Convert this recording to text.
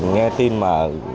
nghe tin mà